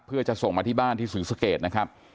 เพื่อส่งมาบ้านสถานีสะเกดนะครับ